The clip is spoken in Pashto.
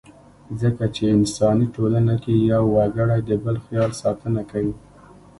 ځکه چې انساني ټولنه کې يو وګړی د بل خیال ساتنه کوي.